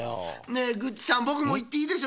ねえグッチさんぼくもいっていいでしょ？